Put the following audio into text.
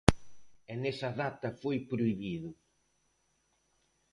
E nesa data foi prohibido.